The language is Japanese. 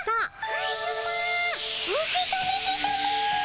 カズマ受け止めてたも。